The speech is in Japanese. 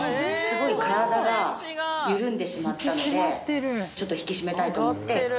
すごい体が緩んでしまったのでちょっと引き締めたいと思って。